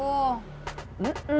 oh seperti itu